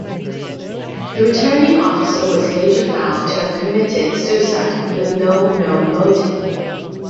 The Returning Officer was later found to have committed suicide with no known motive.